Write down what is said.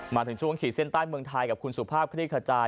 มาถึงช่วงขีดเส้นใต้เมืองไทยกับคุณสุภาพคลี่ขจาย